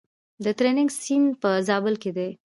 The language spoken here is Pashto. د ترنک سیند په زابل کې دی